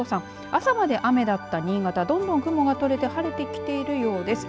朝まで雨だった新潟どんどん雲が取れて晴れてきているようです。